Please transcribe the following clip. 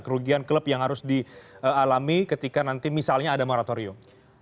kerugian klub yang harus dialami ketika nanti misalnya ada moratorium